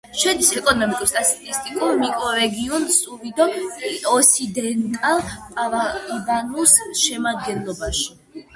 შედის ეკონომიკურ-სტატისტიკურ მიკრორეგიონ სერიდო-ოსიდენტალ-პარაიბანუს შემადგენლობაში.